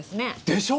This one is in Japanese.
でしょ？